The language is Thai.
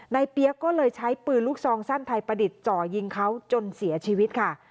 เปี๊ยกก็เลยใช้ปืนลูกซองสั้นไทยประดิษฐ์จ่อยิงเขาจนเสียชีวิตค่ะ